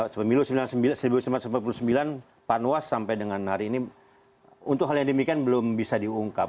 sebelum seribu sembilan ratus empat puluh sembilan panwas sampai dengan hari ini untuk hal yang demikian belum bisa diungkap